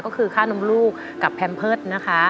ก็คือค่านมลูกกับแพมเพิร์ตนะคะ